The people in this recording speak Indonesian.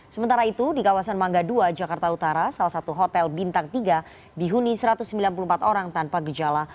sementara itu di kawasan mangga dua jakarta utara salah satu hotel bintang tiga dihuni satu ratus sembilan puluh empat orang tanpa gejala